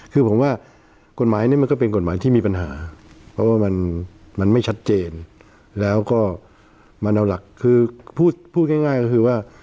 คือผมว่ากฎหมายนี้มันก็เป็นกฎหมายที่มีปัญหาเพราะว่ามันไม่ชัดเจนแล้วก็มันเอาหลักคือพูดง่ายก็คือว่า